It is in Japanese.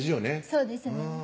そうですね